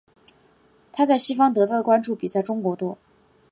她在西方得到的关注比在中国多。